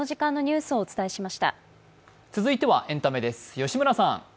続いてはエンタメです。